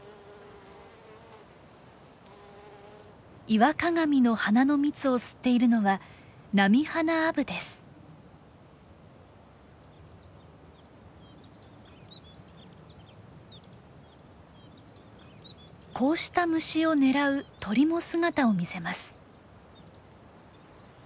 イワカガミの花の蜜を吸っているのはこうした虫を狙う鳥も姿を見せます。